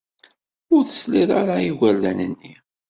Ur tesliḍ ara i yigurdan-nni.